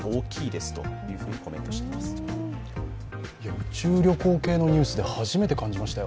宇宙旅行系のニュースで初めて感じましたよ、